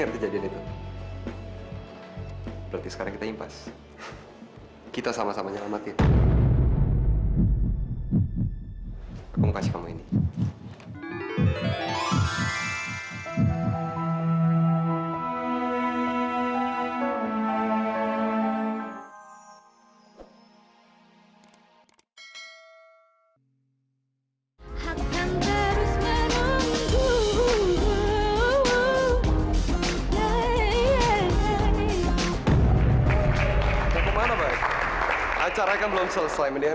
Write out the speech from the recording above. sampai jumpa di video selanjutnya